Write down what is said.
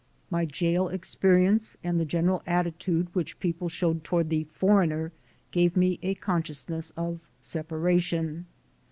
My jail experience and the general attitude which people showed toward the "foreigner" gave me a consciousness of separation.